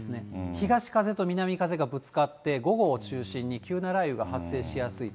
東風と南風がぶつかって、午後を中心に急な雷雨が発生しやすいと。